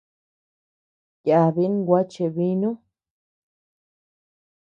Yabin gua cheʼebinu.